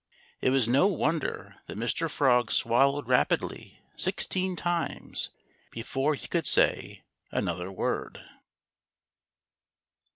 It was no wonder that Mr. Frog swallowed rapidly sixteen times before he could say another word.